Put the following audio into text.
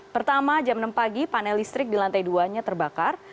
pertama jam enam pagi panel listrik di lantai dua nya terbakar